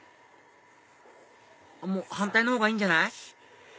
もう反対のほうがいいんじゃない？